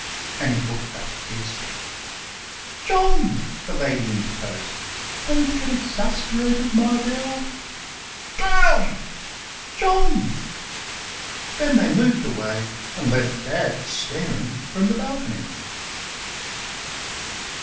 And he looked up fiercely. "John!" the lady interposed, "don't get exasperated, my dear!" "Damn !" "JOHN!" Then they moved away and left Dad staring from the balcony.